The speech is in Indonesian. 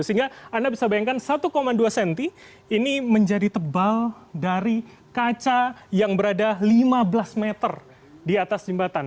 sehingga anda bisa bayangkan satu dua cm ini menjadi tebal dari kaca yang berada lima belas meter di atas jembatan